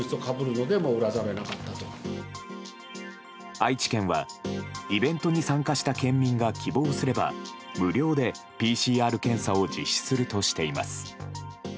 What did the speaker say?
愛知県は、イベントに参加した県民が希望すれば無料でＰＣＲ検査を実施するとしています。